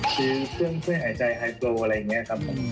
ซื้อเครื่องเครื่องหายใจไฮโปรอะไรอย่างนี้ครับ